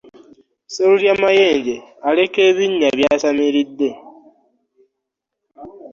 Sserurya mayenje aleka ebinnya byasamiridde .